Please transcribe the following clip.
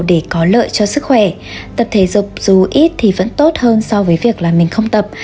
để có lợi cho sức khỏe tập thể dục dù ít thì vẫn tốt hơn so với việc là mình không tập